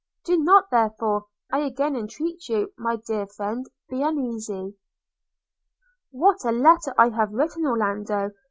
Do not therefore, I again entreat you, my dear friend, be uneasy. 'What a letter have I written, Orlando!